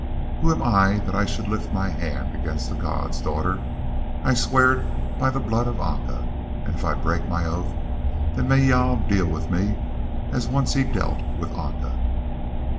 "Who am I that I should lift my hand against the gods, daughter? I swear it by the blood of Aca, and if I break my oath, then may Jâl deal with me as once he dealt with Aca."